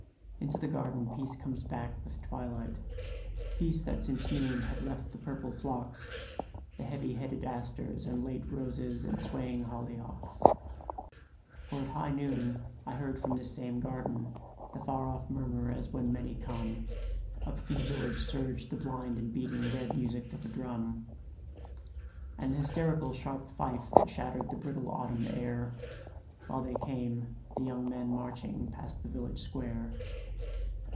Into the garden peace comes back with twilight, Peace that since noon had left the purple phlox, The heavy headed asters, the late roses And swaying hollyhocks. For at high noon I heard from this same garden The far off murmur as when many come; Up from the village surged the blind and beating Red music of a drum; And the hysterical sharp fife that shattered The brittle autumn air, While they came, the young men marching Past the village square.